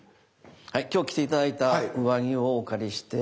今日着て頂いた上着をお借りして。